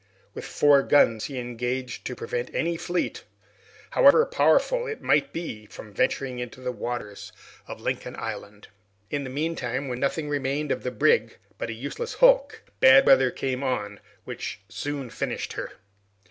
With four guns, he engaged to prevent any fleet, "however powerful it might be," from venturing into the waters of Lincoln Island! In the meantime, when nothing remained of the brig but a useless hulk, bad weather came on, which soon finished her.